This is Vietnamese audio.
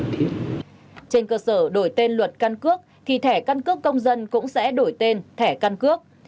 trên cơ sở đổi tên luật căn cước thì thẻ căn cước công dân cũng sẽ đổi tên thẻ căn cước